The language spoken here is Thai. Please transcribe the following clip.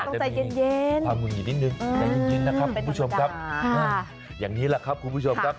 ใช่ค่ะต้องใจเย็นคุณผู้ชมครับอย่างนี้แหละครับคุณผู้ชมครับ